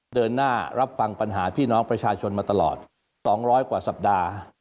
เดินหน้ารับฟังปัญหาพี่น้องประชาชนมาตลอด๒๐๐กว่าสัปดาห์